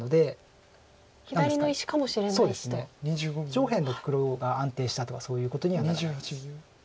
上辺の黒が安定したとかそういうことにはならないです。